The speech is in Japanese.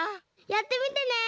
やってみてね！